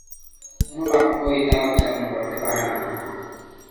কোন বাক্যই তা উচ্চারণ করতে পারে না।